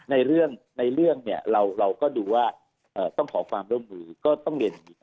ในเรื่องเราก็ดูว่าต้องขอความร่วมมือก็ต้องเห็นสมัย